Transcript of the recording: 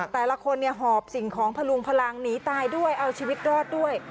แต่ละคนหอบสิ่งของพลุงพลังหนีตายด้วยเอาชีวิตรอดด้วย